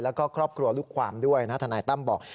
แล้วก็ครอบครัวลูกความด้วยนะทนายตั้มบอก